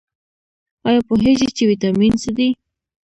ایا پوهیږئ چې ویټامین څه دي؟